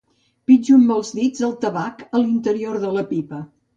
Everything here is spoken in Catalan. Pitjo amb els dits el tabac a l'interior de la pipa.